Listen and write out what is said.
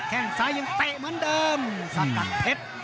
แค่งซ้ายยังเตะเหมือนเดิมสกัดเพชร